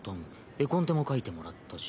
絵コンテも描いてもらったし。